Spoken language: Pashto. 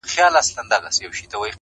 هم جواب دی هم مي سوال دی,